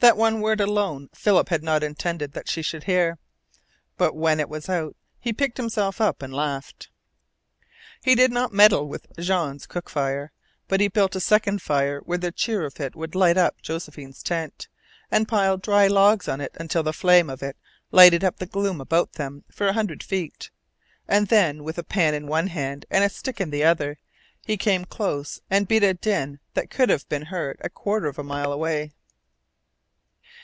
That one word alone Philip had not intended that she should hear. But when it was out he picked himself up and laughed. He did not meddle with Jean's cook fire, but he built a second fire where the cheer of it would light up Josephine's tent, and piled dry logs on it until the flame of it lighted up the gloom about them for a hundred feet. And then, with a pan in one hand and a stick in the other, he came close and beat a din that could have been heard a quarter of a mile away.